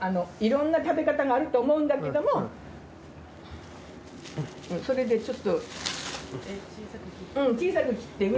いろんな食べ方があると思うんだけどもそれでちょっと。